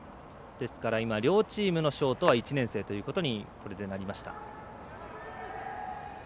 ですから、両チームのショートは１年生ということになりました。